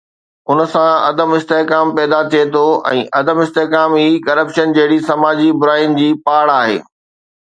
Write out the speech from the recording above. ان سان عدم استحڪام پيدا ٿئي ٿو ۽ عدم استحڪام ئي ڪرپشن جھڙي سماجي براين جي پاڙ آهي.